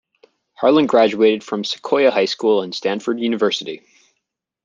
Harlin graduated from Sequoia High School and Stanford University.